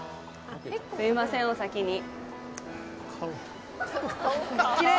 すみません、お先に。